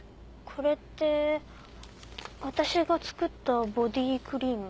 これって私が作ったボディークリーム。